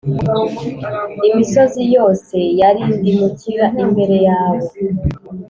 imisozi yose yarindimukira imbere yawe.